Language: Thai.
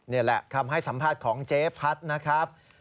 นี่แหละคำให้สัมภาษณ์ของเจ๊พัดนะครับ